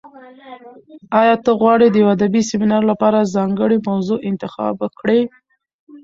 ایا ته غواړې د یو ادبي سیمینار لپاره ځانګړې موضوع انتخاب کړې؟